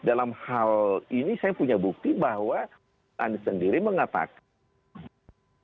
dalam hal ini saya punya bukti bahwa anies sendiri mengatakan